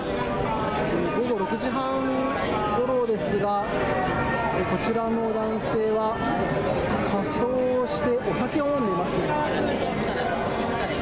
午後６時半ごろですが、こちらの男性は仮装をしてお酒を飲んでいますね。